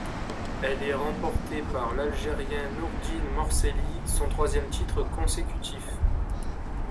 Elle est remportée par l'Algérien Noureddine Morceli, son troisième titre condsécutif.